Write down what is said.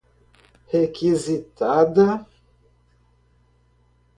requisitada